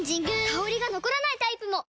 香りが残らないタイプも！